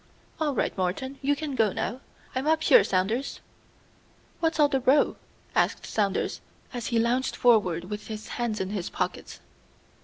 "All right, Morton, you can go now. I'm up here, Saunders." "What's all the row?" asked Saunders, as he lounged forward with his hands in his pockets.